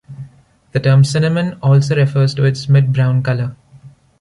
The term "cinnamon" also refers to its mid-brown colour.